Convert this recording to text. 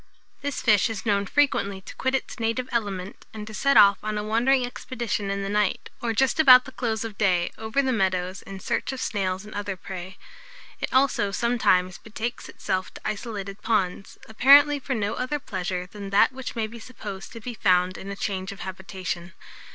This fish is known frequently to quit its native element, and to set off on a wandering expedition in the night, or just about the close of clay, over the meadows, in search of snails and other prey. It also, sometimes, betakes itself to isolated ponds, apparently for no other pleasure than that which may be supposed to be found in a change of habitation.